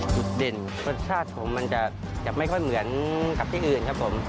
จุดเด่นรสชาติผมมันจะไม่ค่อยเหมือนกับที่อื่นครับผม